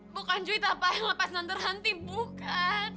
bukan juwita apa yang lepas nanti nanti bukan